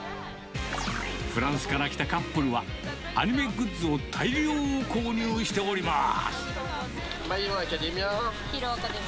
フランスから来たカップルは、アニメグッズを大量購入しております。